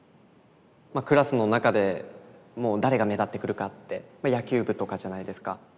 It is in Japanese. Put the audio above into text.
まあクラスの中でもう誰が目立ってくるかって野球部とかじゃないですか。